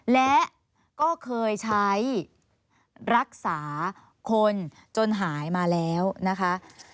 และก็เคยใช้รักษาคนจนหายมาแล้วนะคะ